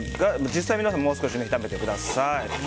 実際、皆さんはもう少し炒めてください。